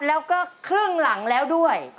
แล้วก็ครึ่งหลังแล้วด้วย